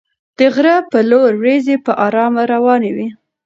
د غره په لور ورېځې په ارامه روانې وې.